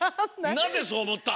なぜそうおもった？